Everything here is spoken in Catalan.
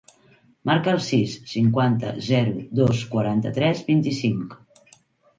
Marca el sis, cinquanta, zero, dos, quaranta-tres, vint-i-cinc.